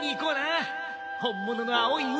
本物の青い海